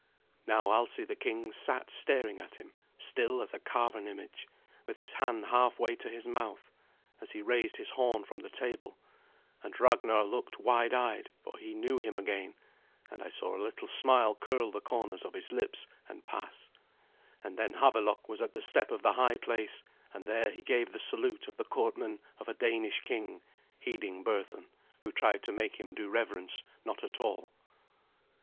Now Alsi the king sat staring at him, still as a carven image, with his hand halfway to his mouth, as he raised his horn from the table; and Ragnar looked wide eyed, for he knew him again, and I saw a little smile curl the corners of his lips and pass; and then Havelok was at the step of the high place, and there he gave the salute of the courtmen of a Danish king, heeding Berthun, who tried to make him do reverence, not at all.